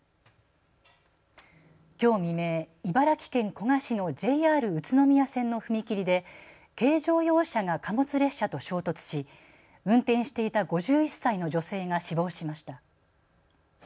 きょう未明、茨城県古河市のＪＲ宇都宮線の踏切で軽乗用車が貨物列車と衝突し運転していた５１歳の女性が死亡しました。